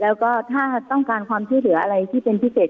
แล้วก็ถ้าต้องการความช่วยเหลืออะไรที่เป็นพิเศษ